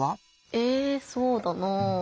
えぇそうだなぁ。